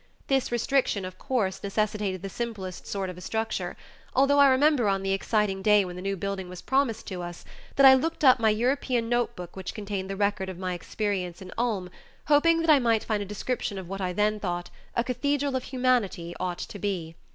This restriction of course necessitated the simplest sort of a structure, although I remember on the exciting day when the new building was promised to us, that I looked up my European notebook which contained the record of my experience in Ulm, hoping that I might find a description of what I then thought "a Cathedral of Humanity" ought to be.